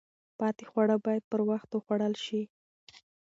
پاتې خواړه باید پر وخت وخوړل شي.